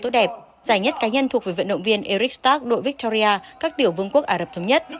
tốt đẹp giải nhất cá nhân thuộc về vận động viên eric stark đội victoria các tiểu vương quốc ả rập thống nhất